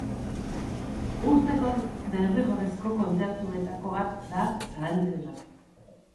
Urteko derrigorrezko kontzertuetako bat da zalantzarik gabe!